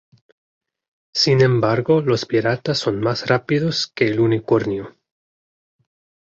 Sin embargo, los piratas son más rápidos que El Unicornio.